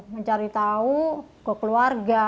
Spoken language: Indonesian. mencari tahu ke keluarga